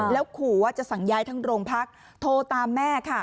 แล้วขู่ว่าจะสั่งย้ายทั้งโรงพักโทรตามแม่ค่ะ